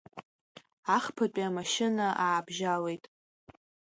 Ахԥатәи амашьына аабжьалеит.